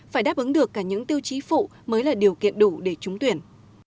phải đáp ứng được cả những tiêu chí phụ mới là điều kiện đủ để trúng tuyển